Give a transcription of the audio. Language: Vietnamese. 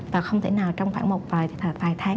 và không thể nào trong khoảng một vài tháng